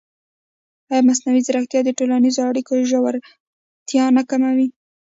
ایا مصنوعي ځیرکتیا د ټولنیزو اړیکو ژورتیا نه کموي؟